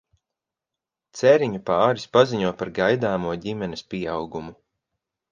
Ceriņu pāris paziņo par gaidāmo ģimenes pieaugumu.